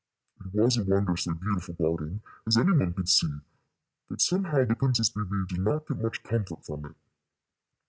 It was a wondrously beautiful garden, as any one could see, but somehow the Princess Bébè did not get much comfort from it.